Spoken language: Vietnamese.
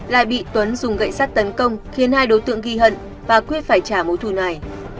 lại bị tuấn dùng gậy sát tấn công khiến hai đối tượng ghi hận và quyết phải trả mâu thu này